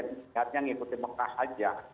untuk bagian tingkatnya mengikuti mekah saja